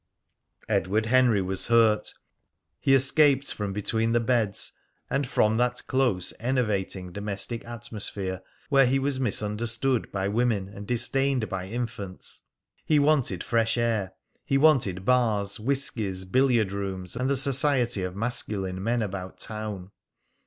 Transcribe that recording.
Edward Henry was hurt. He escaped from between the beds, and from that close, enervating domestic atmosphere where he was misunderstood by women and disdained by infants. He wanted fresh air; he wanted bars, whiskies, billiard rooms, and the society of masculine men about town.